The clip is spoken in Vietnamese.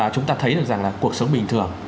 chúng ta thấy được rằng là cuộc sống bình thường